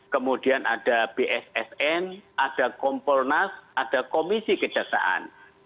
kemudian ada bssn ada kompolnas ada komisi kejaksaan